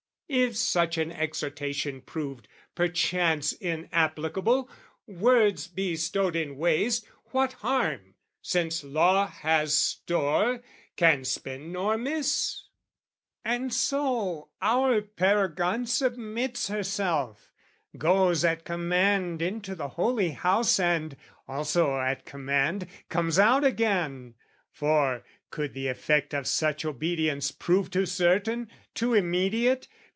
If such an exhortation proved, perchance, Inapplicable, words bestowed in waste, What harm, since law has store, can spend nor miss? And so, our paragon submits herself, Goes at command into the holy house And, also at command, comes out again: For, could the effect of such obedience prove Too certain, too immediate?